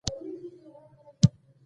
ګاونډي سره باید صداقت وساتل شي